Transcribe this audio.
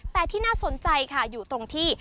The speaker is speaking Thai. แต่ที่น่าสนใจค่ะอยู่ตรงที่